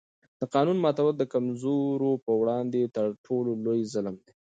د قانون ماتول د کمزورو پر وړاندې تر ټولو لوی ظلم دی